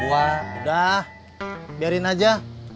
udah biarin aja